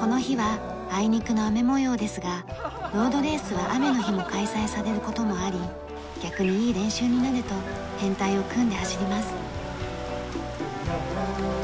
この日はあいにくの雨模様ですがロードレースは雨の日も開催される事もあり逆にいい練習になると編隊を組んで走ります。